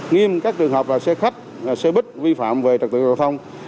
nghiêm các trường hợp là xe khách xe buýt vi phạm về trật tự giao thông